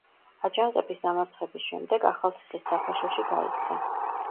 აჯანყების დამარცხების შემდეგ ახალციხის საფაშოში გაიქცა.